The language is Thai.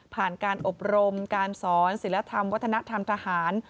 การอบรมการสอนศิลธรรมวัฒนธรรมทหาร